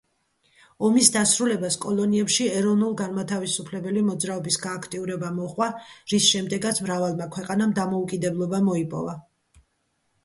ომის დასრულებას კოლონიებში ეროვნულ-განმათავისუფლებელი მოძრაობის გააქტიურება მოჰყვა, რის შემდეგაც მრავალმა ქვეყანამ დამოუკიდებლობა მოიპოვა.